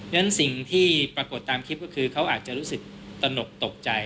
ฉะนั้นสิ่งที่ปรากฏตามคลิปก็คือเขาอาจจะรู้สึกตนกตกใจ